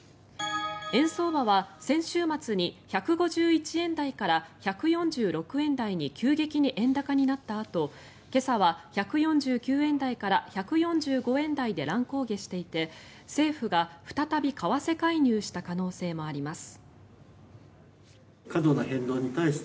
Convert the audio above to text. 円相場は先週末に１５１円台から１４６円台に急激に円高になったあと今朝は１４９円台から１４５円台で乱高下していて政府が再び為替介入した可能性もあります。